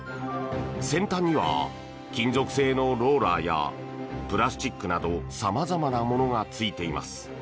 先端には、金属製のローラーやプラスチックなど様々なものがついています。